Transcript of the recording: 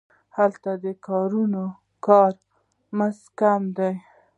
هلته د کارګرانو کاري مزد کم دی